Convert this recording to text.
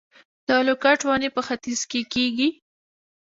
د لوکاټ ونې په ختیځ کې کیږي؟